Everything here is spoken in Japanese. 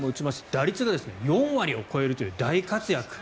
打率が４割を超えるという大活躍。